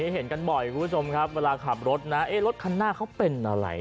เห็นกันบ่อยคุณผู้ชมครับเวลาขับรถนะรถคันหน้าเขาเป็นอะไร